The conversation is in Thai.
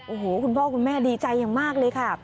โอ้โหคุณพ่อคุณแม่ดีใจอย่างมากเลยค่ะ